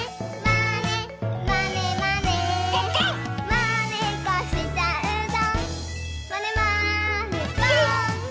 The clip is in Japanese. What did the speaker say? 「まねっこしちゃうぞまねまねぽん！」